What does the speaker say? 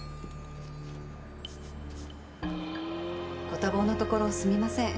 ご多忙のところすみません。